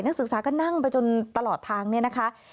นักศึกษาก็นั่งไปจนตลอดทางเนี่ยนะคะ